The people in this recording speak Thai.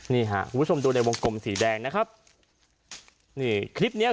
นี่ค่ะคุณผู้ชมดูในวงกลมสีแดงนะครับนี่คลิปเนี้ย